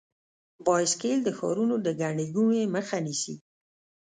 بایسکل د ښارونو د ګڼې ګوڼې مخه نیسي.